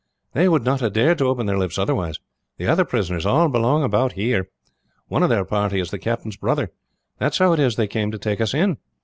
"They would not have dared to open their lips otherwise. The other prisoners all belong about here. One of their party is the captain's brother. That's how it is they came to take us in.